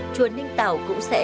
chùa ninh tảo cũng sẽ